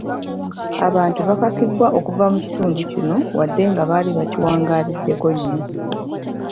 Abantu baakakibwa okuva mu kitundu kino wadde nga baali bakiwangaaliddeko nnyo.